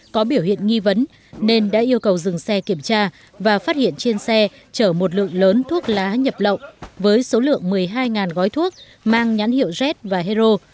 có biểu hiện nghi vấn nên đã yêu cầu dừng xe kiểm tra và phát hiện trên xe chở một lượng lớn thuốc lá nhập lậu với số lượng một mươi hai gói thuốc mang nhãn hiệu jet và hero